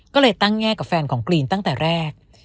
ก็เลยตั้งแง่กับแฟนของกรีนตั้งแต่แรก